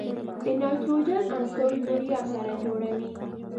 د نایتروجن عنصر یوریا سره جوړوي.